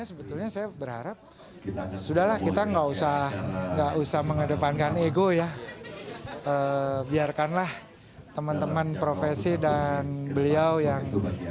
sebetulnya saya berharap sudah lah kita nggak usah nggak usah mengedepankan ego ya biarkanlah teman teman profesi dan beliau yang